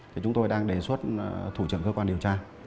thì chúng tôi đang đề xuất thủ trưởng cơ quan điều tra